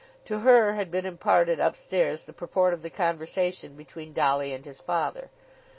To her had been imparted up stairs the purport of the conversation between Dolly and his father.